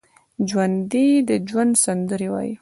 ژوندي د ژوند سندرې وايي